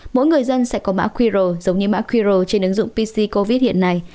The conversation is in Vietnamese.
mỗi người dân sẽ có mã quiro giống như mã quiro trên ứng dụng pc covid hiện nay